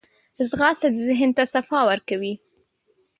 ځغاسته د ذهن ته صفا ورکوي